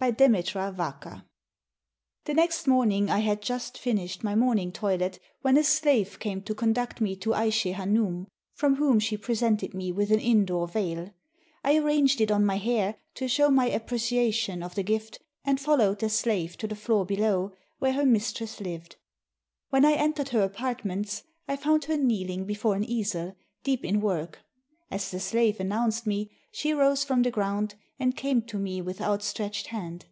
BY DEMETRA VAKA The next morning, I had just finished my morning toilet when a slave came to conduct me to Aishe Hanoum, from whom she presented me with an indoor veil. I ar ranged it on my hair, to show my appreciation of the gift, and followed the slave to the floor below, where her mistress lived. When I entered her apartments, I found her kneeling before an easel, deep in work. As the slave announced me, she rose from the ground and came to me with out stretched hand.